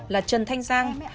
là trần thanh giang